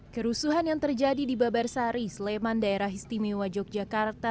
kerusuhan yang terjadi di babarsari sleman daerah istimewa yogyakarta